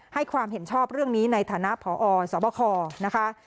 ให้ความเห็นชอบเรื่องนี้ในฐานะพอสบคนะคะ